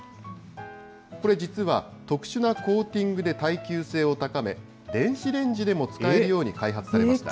これ実は、特殊なコーティングで耐久性を高め、電子レンジでも使えるように開発されました。